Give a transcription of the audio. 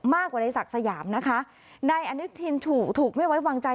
มากกว่าในศักดิ์สยามนะคะนายอนุทินถูกถูกไม่ไว้วางใจ